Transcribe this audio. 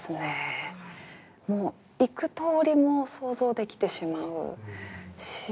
もう幾とおりも想像できてしまうし